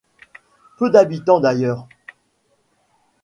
Peu d’habitants d’ailleurs.